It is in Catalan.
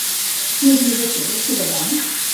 Qui havia de ser la seva dona?